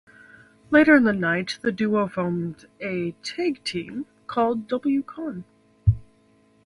Later in the night, the duo formed a tag team called W Kong.